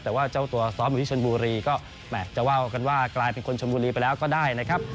แต่ว่าเจ้าตัวซ้อมอยู่ที่ชนบุรีก็แหมจะว่ากันว่ากลายเป็นคนชนบุรีไปแล้วก็ได้นะครับ